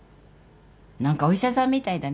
何かお医者さんみたいだね。